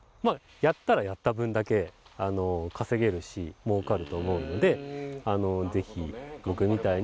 やったらやった分だけ稼げるしもうかると思うのでぜひ僕みたいに。